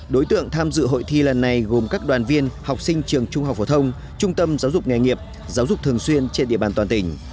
đối tượng tham dự hội thi lần này gồm các đoàn viên học sinh trường trung học phổ thông trung tâm giáo dục nghề nghiệp giáo dục thường xuyên trên địa bàn toàn tỉnh